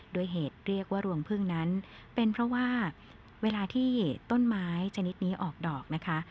โดยเหตุเรียกว่ารวงพึ่งนั้นเป็นเพราะว่าเวลาที่ต้นไม้ชนิดนี้ออกดอกนะคะ